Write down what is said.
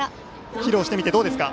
披露してみてどうですか。